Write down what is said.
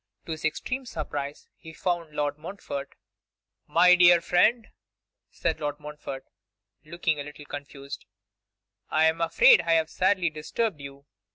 To his extreme surprise he found Lord Montfort. 'My dear friend,' said Lord Montfort, looking a little confused; 'I am afraid I have sadly disturbed you.